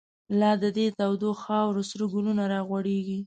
لا د دی تودو خاورو، سره گلونه را غوړیږی